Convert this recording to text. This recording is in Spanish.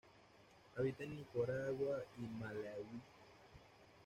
Habita en Nigeria y Malaui.